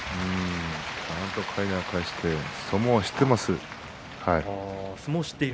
かいなを返して相撲を知っています。